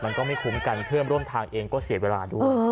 มันก็ไม่คุ้มกันเพื่อนร่วมทางเองก็เสียเวลาด้วย